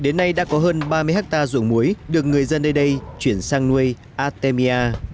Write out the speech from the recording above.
đến nay đã có hơn ba mươi hectare ruộng muối được người dân nơi đây chuyển sang nuôi artemia